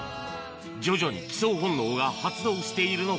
徐々に帰巣本能が発動しているのか？